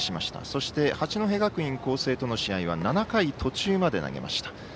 そして、八戸学院光星との試合は７回途中まで投げました。